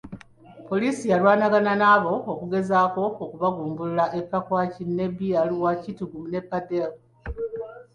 Poliisi yalwanagana nabo okugezaako okubagumbulula e Pakwach, Nebbi, Arua, Kitgum ne Pader.